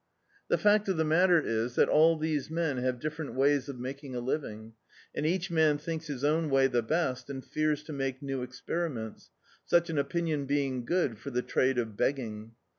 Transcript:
The fact of the matter is tbat all these men have different ways of making a living, and each man thinks his own way the best and fears to make new experiments, such an opinion being good for the trade of begging.